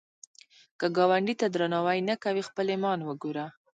که ګاونډي ته درناوی نه کوې، خپل ایمان وګوره